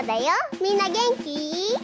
みんなげんき？